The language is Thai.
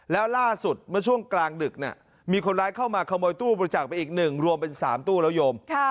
แล้วล่าสุดเมื่อช่วงกลางดึกมีคนร้ายเข้ามาขโมยตู้บริจาคไปอีก๑รวมเป็น๓ตู้แล้วโยม